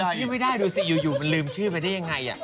ชื่อไม่ได้ดูสิอยู่มันลืมชื่อไปได้ยังไง